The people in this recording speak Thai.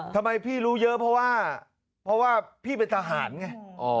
ทำไมพี่รู้เยอะเพราะว่าพี่เป็นทหารไง